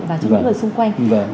và cho những người xung quanh